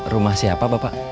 rumah siapa bapak